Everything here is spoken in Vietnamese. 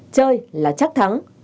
chơi là chắc thắng